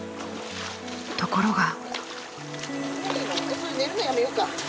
ところが。